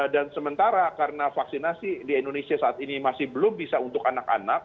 dan sementara karena vaksinasi di indonesia saat ini masih belum bisa untuk anak anak